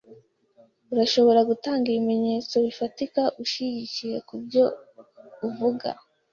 Urashobora gutanga ibimenyetso bifatika ushigikira ibyo uvuga?